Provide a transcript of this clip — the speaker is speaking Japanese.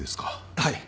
はい。